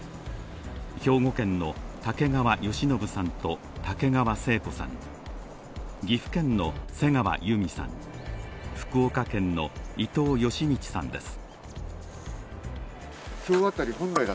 兵庫県の竹川好信さんと竹川生子さん、岐阜県の瀬川由美さん、福岡県の伊藤嘉通さんです。